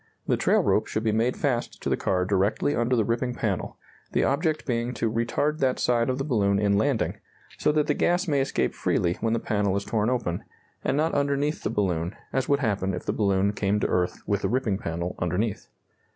The trail rope should be made fast to the car directly under the ripping panel, the object being to retard that side of the balloon in landing, so that the gas may escape freely when the panel is torn open, and not underneath the balloon, as would happen if the balloon came to earth with the ripping panel underneath.